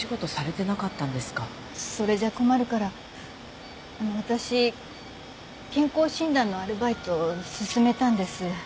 それじゃ困るから私健康診断のアルバイトを勧めたんです。